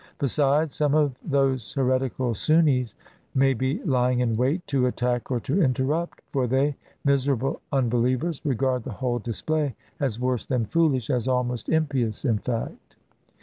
Besides, some of those heretical Sunnis may be lying in wait, to attack or to interrupt; for they, miserable unbehevers! regard the whole display as worse than foolish, as almost impious, in fact.